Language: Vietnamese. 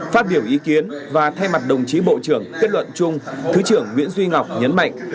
phát biểu ý kiến và thay mặt đồng chí bộ trưởng kết luận chung thứ trưởng nguyễn duy ngọc nhấn mạnh